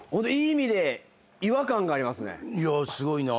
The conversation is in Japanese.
いやすごいな。